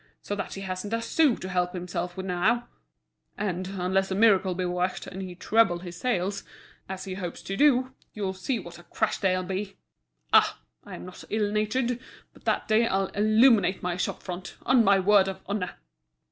So that he hasn't a sou to help himself with now; and, unless a miracle be worked, and he treble his sales, as he hopes to do, you'll see what a crash there'll be! Ah! I'm not ill natured, but that day I'll illuminate my shop front, on my word of honour!"